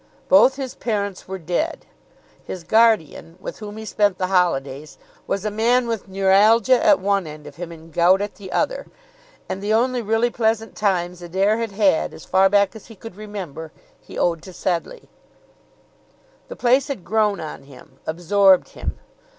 Both his parents were dead; his guardian, with whom he spent the holidays, was a man with neuralgia at one end of him and gout at the other; and the only really pleasant times Adair had had, as far back as he could remember, he owed to Sedleigh. The place had grown on him, absorbed him.